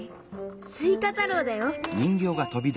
スイカ太郎だよ。